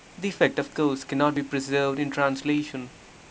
The effect, of course, cannot be preserved in translation.